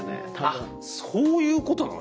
あっそういうことなの？